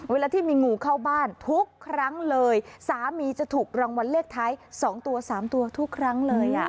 เวลาที่มีงูเข้าบ้านทุกครั้งเลยสามีจะถูกรางวัลเลขท้าย๒ตัว๓ตัวทุกครั้งเลย